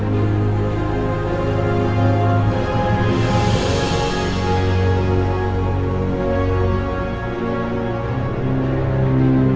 mereka akhirnya bilang